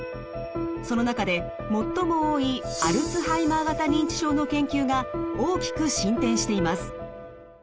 その中で最も多いアルツハイマー型認知症の研究が大きく進展しています。